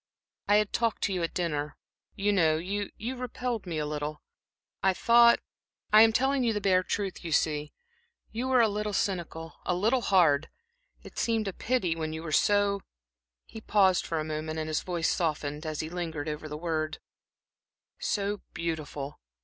I had talked to you at dinner, you know, you you repelled me a little. I thought I am telling you the bare truth, you see you were a little cynical, a little hard it seemed a pity when you were so" he paused for a moment and his voice softened as he lingered over the word "so beautiful.